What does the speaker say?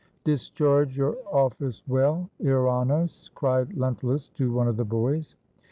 ''Discharge your ofl&ce well, Earinos," cried Len tulus to one of the boys.